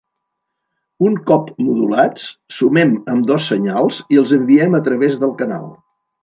Un cop modulats sumem ambdós senyals i els enviem a través del canal.